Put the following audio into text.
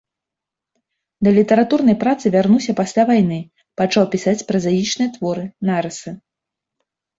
Да літаратурнай працы вярнуўся пасля вайны, пачаў пісаць празаічныя творы, нарысы.